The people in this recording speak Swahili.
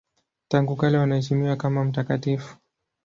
Tangu kale wanaheshimiwa kama mtakatifu.